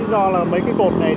do là mấy cái cột này